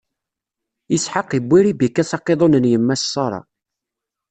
Isḥaq iwwi Ribika s aqiḍun n yemma-s Ṣara.